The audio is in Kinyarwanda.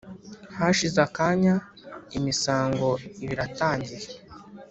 hashize akanya imisango iba iratangiye,